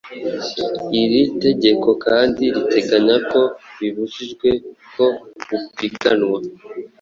Iri tegeko kandi riteganya ko bibujijwe ko upiganwa